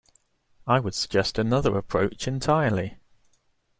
I would suggest another approach entirely.